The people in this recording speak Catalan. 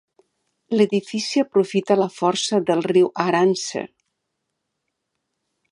L'edifici aprofita la força del riu Arànser.